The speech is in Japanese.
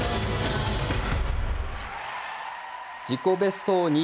自己ベストを２